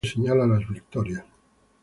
El fondo verde señala las victorias.